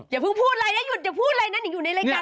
อย่าพูดอะไรนะอยู่ในรายการตนนะ